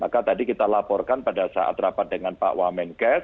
maka tadi kita laporkan pada saat rapat dengan pak wamenkes